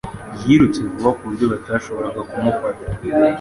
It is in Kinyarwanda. Yirutse vuba ku buryo batashoboraga kumufata